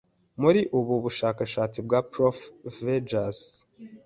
Muri ubu bushakashatsi bwa Prof Fergus